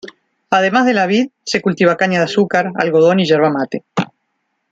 Además de la vid se cultiva caña de azúcar, algodón y yerba mate.